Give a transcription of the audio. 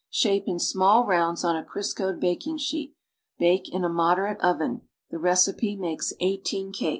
Shape in small rounds on a Criscoed baking sheet. Bake in a moderate oven. The recipe makes eighteen cakes.